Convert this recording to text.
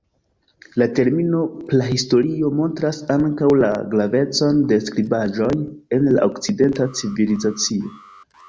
La termino prahistorio montras ankaŭ la gravecon de skribaĵoj en la okcidenta civilizacio.